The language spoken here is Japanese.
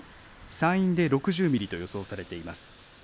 山陰で６０ミリと予想されています。